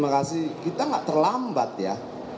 kita tidak terlambat ya